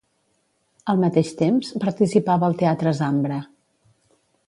Al mateix temps, participava al Teatre Zambra.